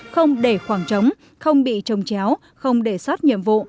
không để khoảng trống không bị trồng chéo không để sót nhiệm vụ